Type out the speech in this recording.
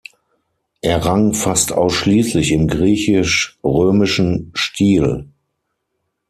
Er rang fast ausschließlich im griechisch-römischen Stil.